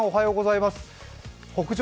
北上